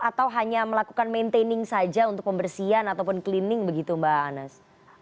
atau hanya melakukan maintaining saja untuk pembersihan ataupun cleaning begitu mbak anas